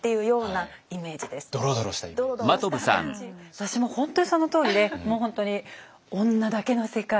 私も本当にそのとおりでもう本当に女だけの世界。